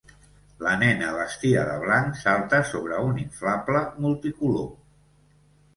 La nena vestida de blanc salta sobre un inflable multicolor.